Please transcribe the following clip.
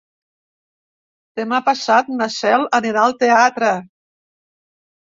Demà passat na Cel anirà al teatre.